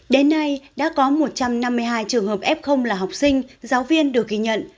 đến nay đã có một trăm năm mươi hai trường hợp f là học sinh giáo viên được ghi nhận